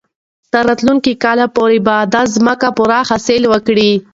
تر راتلونکي کال پورې به دا ځمکه پوره حاصل ورکړي.